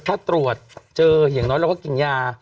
ถ้าตรวจเจออย่างน้อยเราก็กินยา